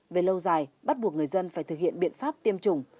về lâu dài bắt buộc người dân phải thực hiện biện pháp tiêm chủng